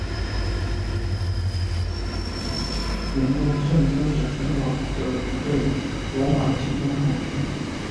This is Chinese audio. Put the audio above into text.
两侧为来自哈德良陵墓圣天使城堡的一对罗马的青铜孔雀。